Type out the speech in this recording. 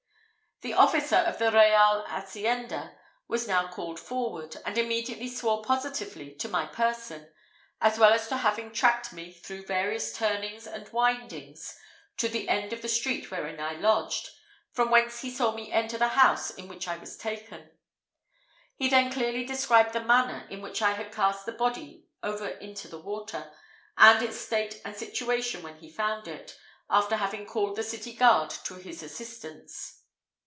The officer of the real hacienda was now called forward, and immediately swore positively to my person, as well as to having tracked me through various turnings and windings to the end of the street wherein I lodged, from whence he saw me enter the house in which I was taken. He then clearly described the manner in which I had cast the body over into the water, and its state and situation when he found it, after having called the city guard to his assistance.